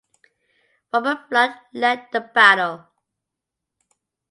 Robert Fludd led the battle.